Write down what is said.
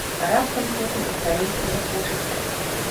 А раптам потым украінцам захочацца?